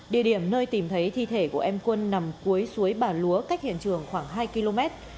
địa điểm nơi tìm thấy thi thể của em quân nằm cuối suối bà lúa cách hiện trường khoảng hai km